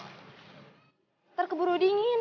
ntar keburu dingin